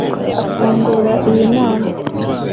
Afungura iyi nama